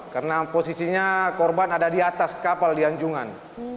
karena posisinya korban ada di atas kapal di anjungan